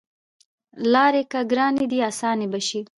لاری که ګرانې دي اسانې به شي